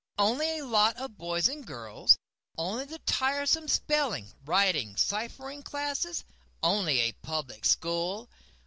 Only a lot of boys and girls? Only the tiresome spelling, writing, ciphering classes? Only a Public School?